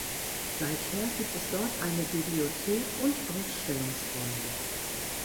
Seither gibt es dort eine Bibliothek und Ausstellungsräume.